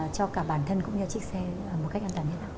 cho cả bản thân cũng như chiếc xe một cách an toàn như thế nào